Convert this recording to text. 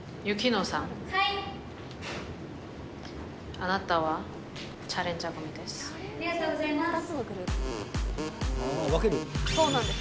ありがとうございます。